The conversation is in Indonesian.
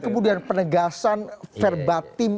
kemudian penegasan verbatim